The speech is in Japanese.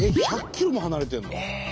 １００キロも離れてるの？